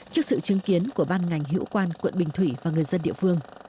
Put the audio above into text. trước sự chứng kiến của ban ngành hiệu quan quận bình thủy và người dân địa phương